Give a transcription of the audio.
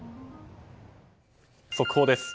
速報です。